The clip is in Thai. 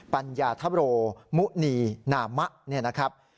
ปัญญธบโลมุนีนนามะ